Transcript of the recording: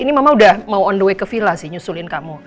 ini mama udah mau on the way ke villa sih nyusulin kamu